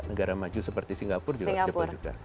negara maju seperti singapura juga jepang juga